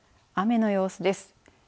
雨の様子です。